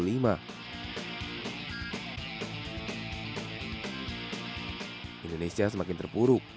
indonesia semakin terpuruk